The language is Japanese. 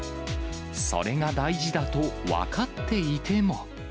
それが大事だと分かっていても。